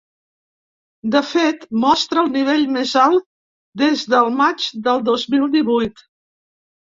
De fet, mostra el nivell més alt des del maig del dos mil divuit.